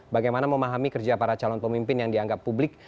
bagaimana memahami kerja para calon pemimpin yang dianggap publik